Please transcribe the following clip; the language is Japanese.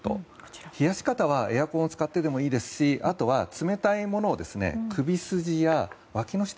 冷やし方はエアコンを使ってでもいいですしあとは冷たいものを首筋やわきの下